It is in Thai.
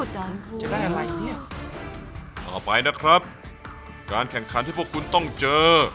ต่อไปนะครับแข่งขันที่พวกคุณต้องเจอ